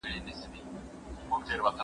موږ باید د خپلو لیکوالو فکري میراث خوندي کړو.